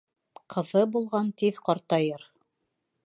Ҡыҙы булған тиҙ ҡартайыр.